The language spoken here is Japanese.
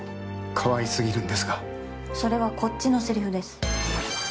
かわいすぎるんですがそれはこっちのセリフです